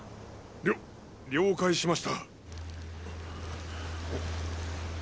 りょ了解しました。